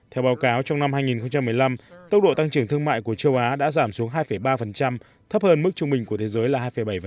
theo báo cáo trong năm hai nghìn một mươi năm tốc độ tăng trưởng thương mại của châu á đã giảm xuống hai ba thấp hơn mức trung bình của thế giới là hai bảy